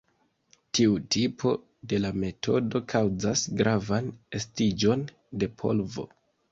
Tiu tipo de la metodo kaŭzas gravan estiĝon de polvo.